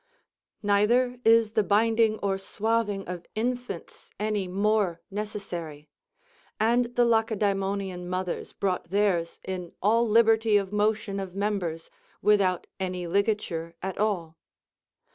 Neither is the binding or swathing of infants any more necessary; and the Lacedæmoman mothers brought theirs in all liberty of motion of members, without any ligature at all.